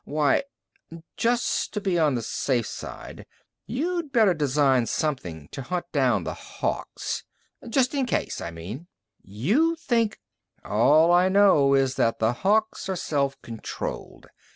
"Why " "Just to be on the safe side, you'd better design something to hunt down the Hawks. Just in case, I mean." "You think " "All I know is that the Hawks are self controlled.